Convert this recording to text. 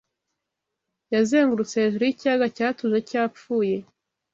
Yazengurutse hejuru yikiyaga cyatuje cyapfuye